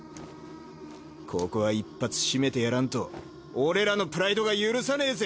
ここは一発シメてやらんと俺らのプライドが許さねえぜ！